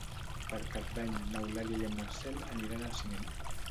Per Cap d'Any n'Eulàlia i en Marcel aniran al cinema.